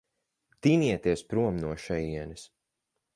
Tinieties prom no šejienes.